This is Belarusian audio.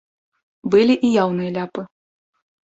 Былі і яўныя ляпы.